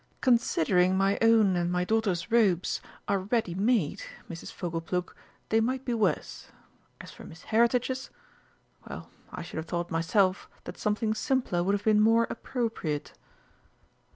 Considering my own and my daughter's robes are ready made, Mrs. Fogleplug, they might be worse. As for Miss Heritage's well, I should have thought myself that something simpler would have been more appropriate."